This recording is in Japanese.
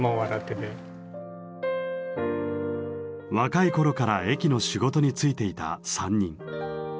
若い頃から駅の仕事に就いていた３人。